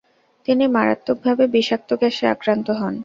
তিনি মারাত্মকভাবে বিষাক্ত গ্যাসে আক্রান্ত হন।